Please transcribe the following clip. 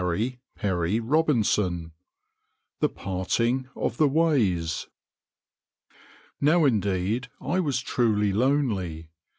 CHAPTER VII THE PARTING OF THE WAYS Now indeed I was truly lonely.